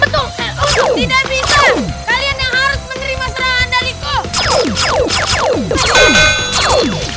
betul tidak bisa kalian yang harus menerima serangan dariku